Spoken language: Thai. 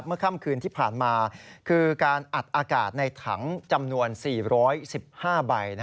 ค่ำคืนที่ผ่านมาคือการอัดอากาศในถังจำนวน๔๑๕ใบ